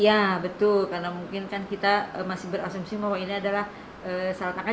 iya betul karena mungkin kan kita masih berasumsi bahwa ini adalah salah angka